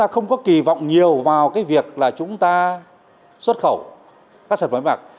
không có kỳ vọng nhiều vào việc chúng ta xuất khẩu các sản phẩm may mặc